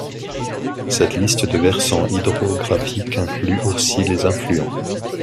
Cet liste de versants hydrographique inclut aussi les affluents.